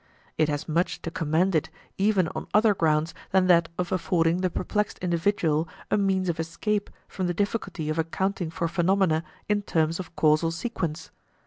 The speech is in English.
It has much to commend it even on other grounds than that of affording the perplexed individual a means of escape from the difficulty of accounting for phenomena in terms of causal sequence.